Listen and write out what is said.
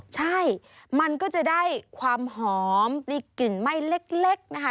ใช่มันก็จะได้ความหอมมีกลิ่นไหม้เล็กนะคะ